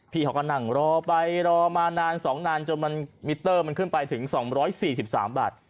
พี่เขาก็นั่งรอไปรอมานาน๒นานจนมันมิเตอร์มันขึ้นไปถึง๒๔๓บาท